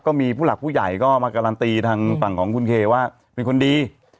ก็มีผู้หลักผู้ใหญ่ก็มาการันตีทางฝั่งของคุณเคว่าเป็นคนดี